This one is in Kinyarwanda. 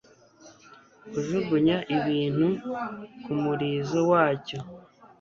kujugunya ibintu kumurizo wacyo